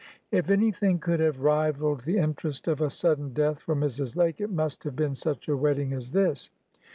If any thing could have rivalled the interest of a sudden death for Mrs. Lake, it must have been such a wedding as this.